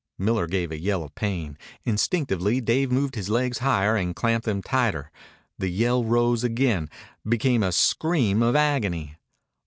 Miller gave a yell of pain. Instinctively Dave moved his legs higher and clamped them tighter. The yell rose again, became a scream of agony.